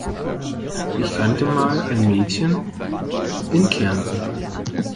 Ich kannte mal ein Mädchen in Kärnten.